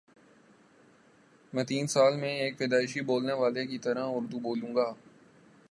میں تین سال میں ایک پیدائشی بولنے والے کی طرح اردو بولوں گا